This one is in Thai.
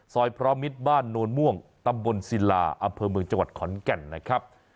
พร้อมมิตรบ้านโนนม่วงตำบลศิลาอำเภอเมืองจังหวัดขอนแก่นนะครับ